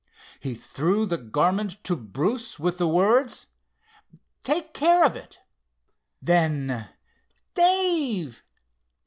He threw the garment to Bruce with the words: "Take care of it." Then: "Dave!